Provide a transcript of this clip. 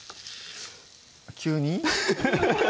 急に？